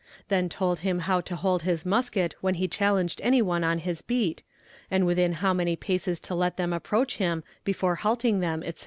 Then told him how to hold his musket when he challenged any one on his beat, and within how many paces to let them approach him before halting them, etc.